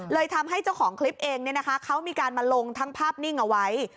ทำให้เจ้าของคลิปเองเขามีการมาลงทั้งภาพนิ่งเอาไว้